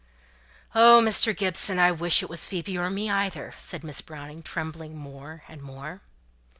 "Oh! Mr. Gibson, I wish it was Phoebe, or me either!" said Miss Browning, trembling more and more.